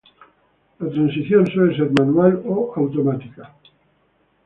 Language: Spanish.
La transición suele ser manual o automática.